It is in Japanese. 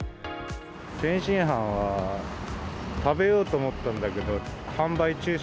天津飯は食べようと思ったんだけど、販売中止？